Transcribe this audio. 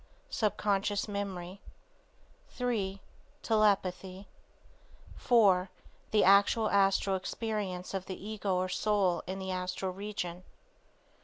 Subconscious memory. 3. Telepathy. 4. The Actual Astral experience of the Ego or Soul in the Astral region.